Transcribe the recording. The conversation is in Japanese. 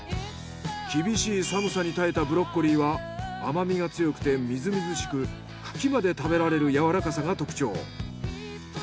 厳しい寒さに耐えたブロッコリーは甘みが強くて瑞々しく茎まで食べられる柔らかさが特徴。